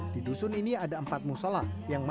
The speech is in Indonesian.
di dusun ini ada empat musalah